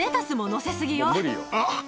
あっ。